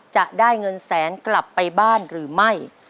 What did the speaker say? จะได้เงินแสนกลับไปบ้านหรือไม่